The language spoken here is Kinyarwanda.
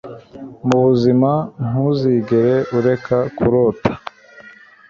Mu buzima Ntuzigere ureka kurota.